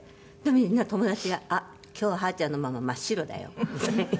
みんな友達が「あっ今日ははーちゃんのママ真っ白だよ」って。